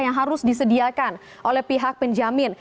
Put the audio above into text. yang harus disediakan oleh pihak penjamin